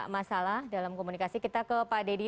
masalah dalam komunikasi kita ke pak dedy